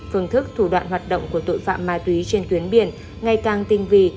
phương thức thủ đoạn hoạt động của tội phạm ma túy trên tuyến biển ngày càng tinh vị